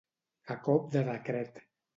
A cop de decret.